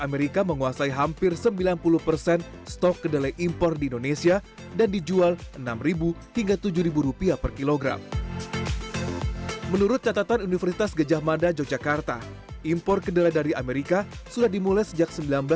di kabupaten universitas gejah mada yogyakarta impor kedelai dari amerika sudah dimulai sejak seribu sembilan ratus delapan puluh lima